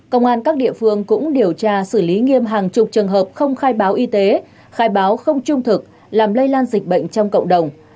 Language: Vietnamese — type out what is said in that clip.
công an các địa phương cũng điều tra xử lý nghiêm hàng chục trường hợp không khai báo y tế khai báo không trung thực làm lây lan dịch bệnh trong cộng đồng